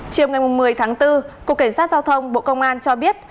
chiều ngày một mươi tháng bốn cục kiểm soát giao thông bộ công an cho biết